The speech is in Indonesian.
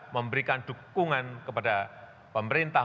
memberikan dukungan kepada pemerintah